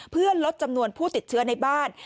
เพื่อลดจำนวนผู้ติดเชื้อในบ้าน